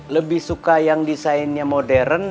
lebih suka yang desainnya modern